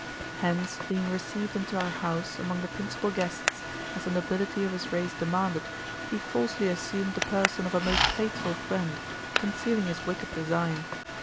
Hence, being received into our house, among the principal guests, as the nobility of his race demanded, he falsely assumed the person of a most faithful friend, concealing his wicked design.